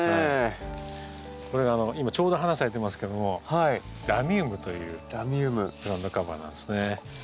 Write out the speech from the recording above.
これが今ちょうど花咲いていますけども「ラミウム」というグラウンドカバーなんですね。